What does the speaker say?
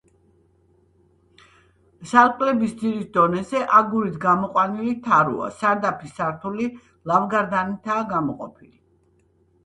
სარკმლების ძირის დონეზე, აგურით გამოყვანილი თაროა, სარდაფის სართული ლავგარდნითაა გამოყოფილი.